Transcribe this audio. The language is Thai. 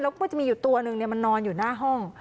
แล้วมันจะมีตัวหนึ่งนอนอยู่หน้าห้อง